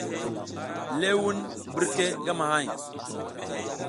Lewun birke ngamahay.